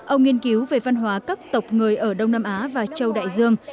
ông nghiên cứu về văn hóa các tộc người ở đông nam á và châu đại dương